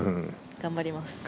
頑張ります。